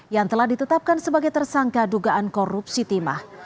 yang telah ditetapkan sebagai tersangka dugaan korupsi timah